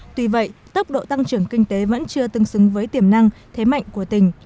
tuy vậy tốc độ tăng trưởng kinh tế vẫn chưa tương xứng với tiềm năng thế mạnh của tỉnh